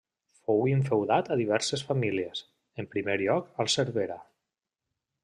Fou infeudat a diverses famílies; en primer lloc als Cervera.